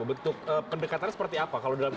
pendekatan seperti apa